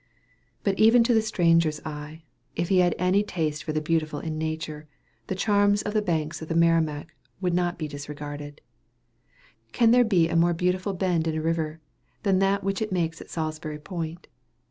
But even to the stranger's eye, if he have any taste for the beautiful in nature, the charms of the banks of the Merrimac would not be disregarded. Can there be a more beautiful bend in a river, than that which it makes at Salisbury Point?